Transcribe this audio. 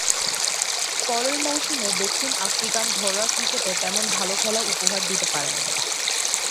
পরের মৌসুমে দক্ষিণ আফ্রিকান ঘরোয়া ক্রিকেটে তেমন ভালো খেলা উপহার দিতে পারেননি।